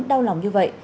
đau lòng như vậy